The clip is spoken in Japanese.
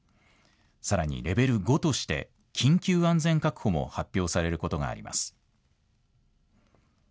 さらにレベル５として緊急安全確保も発表されることがあります。